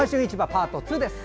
パート２です。